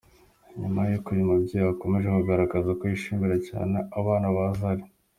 Ni nyuma y’uko uyu mubyeyi akomeje kugaragaza ko yishimira cyane abana ba Zari.